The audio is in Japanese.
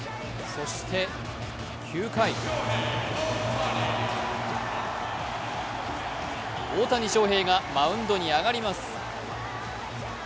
そして、９回大谷翔平がマウンドに上がります。